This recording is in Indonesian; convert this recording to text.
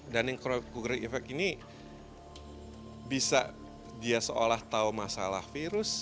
dunning cooker effect ini bisa dia seolah tahu masalah virus